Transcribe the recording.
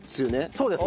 そうです。